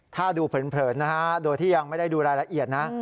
ถ้าดูเผินนะฮะโดยที่ยังไม่ได้ดูรายละเอียดนะ